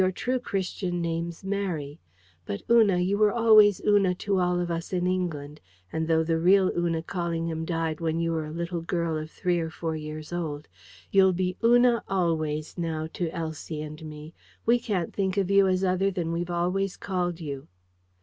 Your true Christian name's Mary. But, Una, you were always Una to all of us in England; and though the real Una Callingham died when you were a little girl of three or four years old, you'll be Una always now to Elsie and me. We can't think of you as other than we've always called you."